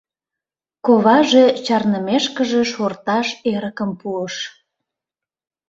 Коваже чарнымешкыже шорташ эрыкым пуыш.